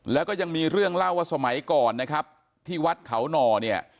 แล้วก็ยังมีเรื่องเล่าว่าสมัยก่อนนะครับที่วัดเขาหน่อเนี่ย